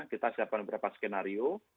kita siapkan beberapa skenario